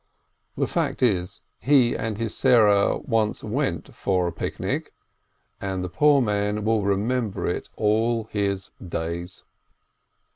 The fact is, he and his Sarah once went for a picnic, and the poor man will remember it all his days.